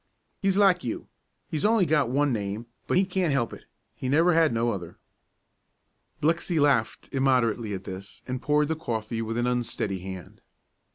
He's like you; he's only got one name; but he can't help it, he never had no other." Blixey laughed immoderately at this, and poured the coffee with an unsteady hand.